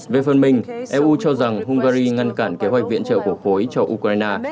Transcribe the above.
về phần mình eu cho rằng hungary ngăn cản kế hoạch viện trợ của khối cho ukraine